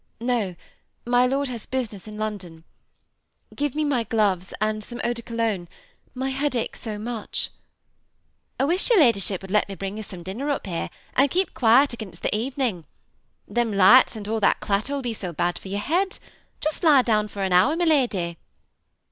*No, my lord has business in London. Give ine my gloves and some Eau de Cologne^ my head aches so much;*' 210 THE SEMDhATTACHED COUPLE. ^ I wish your ladyship would let me bring joa some dinner np here, and keep quiet against the evening. Them lights, and all that clatter will be so bad for jrour head: just lie down for an hour, my lady."